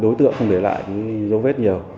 đối tượng không để lại dấu vết nhiều